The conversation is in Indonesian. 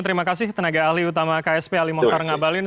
terima kasih tenaga ahli utama ksp ali mohtar ngabalin